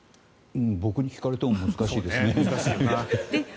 僕に聞かれても難しいですね。